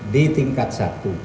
di tingkat satu